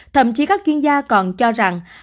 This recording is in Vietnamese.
thậm chí các chuyên gia còn cho rằng